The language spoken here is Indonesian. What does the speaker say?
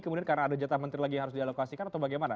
kebijakan menteri lagi yang harus dialokasikan atau bagaimana